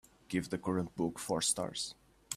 Give the current book four stars